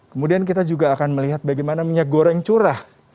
kemudian kita juga akan melihat bagaimana minyak goreng curah